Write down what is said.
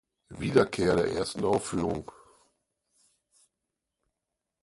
Wiederkehr der ersten Aufführung.